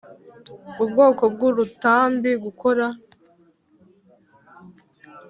ubwoko bw urutambi gukora